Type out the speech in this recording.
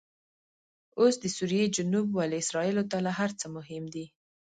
اوس دسوریې جنوب ولې اسرایلو ته له هرڅه مهم دي؟